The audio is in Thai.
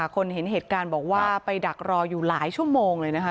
คนเห็นเหตุการณ์บอกว่าไปดักรออยู่หลายชั่วโมงเลยนะคะ